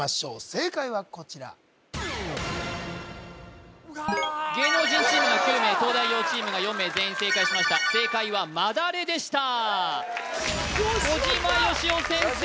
正解はこちら芸能人チームが９名東大王チームが４名全員正解しました正解はまだれでした小島よしお先生